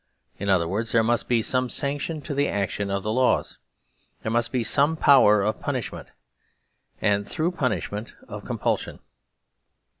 In other words, there must be some sanction to the action of the law. There must be some power of punishment, and, through punishment, of compulsion.